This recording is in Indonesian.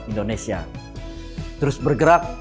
indonesia terus bergerak